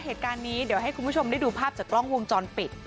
เหตุการณ์นี้เดี๋ยวให้คุณผู้ชมได้ดูภาพจากกล้องวงจรปิด